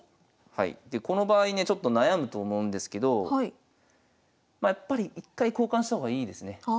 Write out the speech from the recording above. はいでこの場合ねちょっと悩むと思うんですけどやっぱり一回交換した方がいいですね。